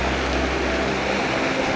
dan kita harus menjualnya